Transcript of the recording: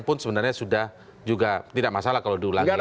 pengalamannya sudah juga tidak masalah kalau diulangi